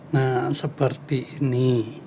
nah seperti ini